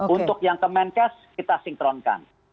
untuk yang ke menkes kita sinkronkan